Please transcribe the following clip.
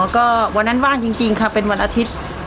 ก็วันนั้นว่างจริงค่ะเป็นวันอาทิตย์